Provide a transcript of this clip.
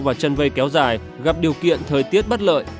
và chân vây kéo dài gặp điều kiện thời tiết bất lợi